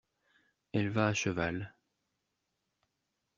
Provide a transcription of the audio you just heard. Elle va à cheval.